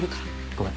ごめん。